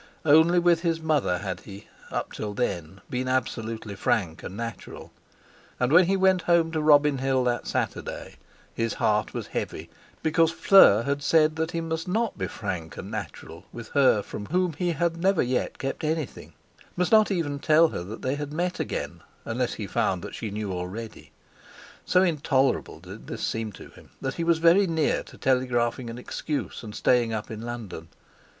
Only with his mother had he, up till then, been absolutely frank and natural; and when he went home to Robin Hill that Saturday his heart was heavy because Fleur had said that he must not be frank and natural with her from whom he had never yet kept anything, must not even tell her that they had met again, unless he found that she knew already. So intolerable did this seem to him that he was very near to telegraphing an excuse and staying up in London.